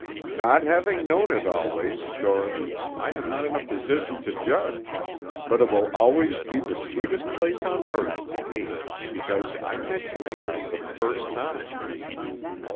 "Not having known it always, Dorothy, I am not in a position to judge; but it will always be the sweetest place on earth to me, because I met you here for the first time."